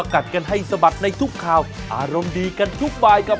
กับคนที่เต้นดีลีลาพริ้ว